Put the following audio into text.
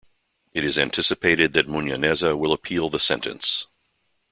It is anticipated that Munyaneza will appeal the sentence.